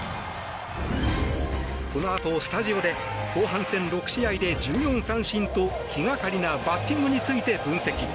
このあとスタジオで後半戦６試合で１４三振と、気掛かりなバッティングについて分析。